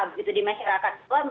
begitu di masyarakat